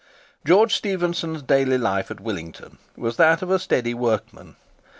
George Stephenson's daily life at Willington was that of a steady workman.